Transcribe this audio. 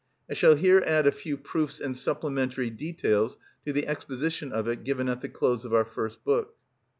I shall here add a few proofs and supplementary details to the exposition of it given at the close of our first book.